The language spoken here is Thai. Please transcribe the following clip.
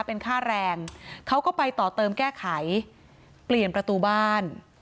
เป็นค่าแรงเขาก็ไปต่อเติมแก้ไขเปลี่ยนประตูบ้าน